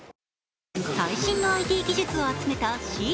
最新のＩＴ技術を集めたＣＥＡＴＥＣ。